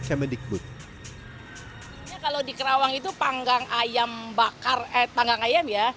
saya kalau di kerawang itu panggang ayam bakar eh panggang ayam ya